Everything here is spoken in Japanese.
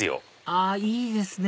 あいいですね